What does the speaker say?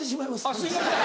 あっすいません！